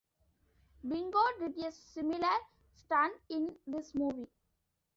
Bingo did a similar stunt in this movie.